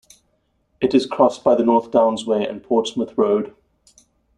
It is crossed by the North Downs Way and Portsmouth Road.